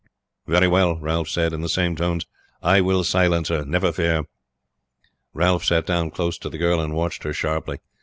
"Very well," Ralph said in the same tones. "I will silence her, never fear." Ralph sat down close to the girl and watched her sharply.